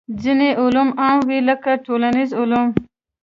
ځینې علوم عام وي لکه ټولنیز علوم.